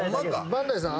バンダイさん？